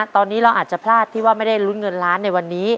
ตอนนี้เราอาจจะพลาดที่ว่าไม่ได้ลุ้นเงินล้านในวันนี้